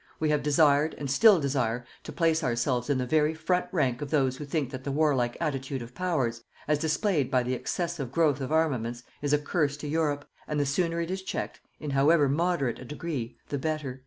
We have desired and still desire to place ourselves in the very front rank of those who think that the warlike attitude of powers, as displayed by the excessive growth of armaments is a curse to Europe, and the sooner it is checked, in however moderate a degree, the better.